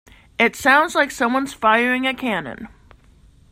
It sounds like someone's firing a cannon.